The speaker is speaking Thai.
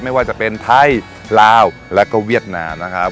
ไม่ว่าจะเป็นไทยลาวแล้วก็เวียดนามนะครับ